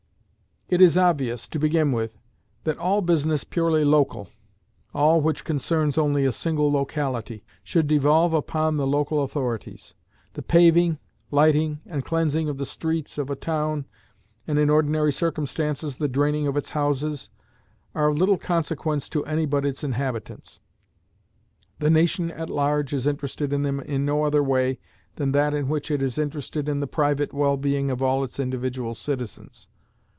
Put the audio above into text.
It is obvious, to begin with, that all business purely local all which concerns only a single locality should devolve upon the local authorities. The paving, lighting, and cleansing of the streets of a town, and, in ordinary circumstances, the draining of its houses, are of little consequence to any but its inhabitants. The nation at large is interested in them in no other way than that in which it is interested in the private well being of all its individual citizens.